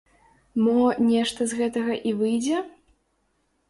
Мо, нешта з гэтага і выйдзе?